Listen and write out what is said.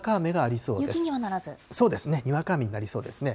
そうですね、にわか雨になりそうですね。